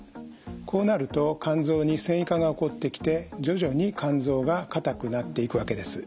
こうなると肝臓に線維化が起こってきて徐々に肝臓が硬くなっていくわけです。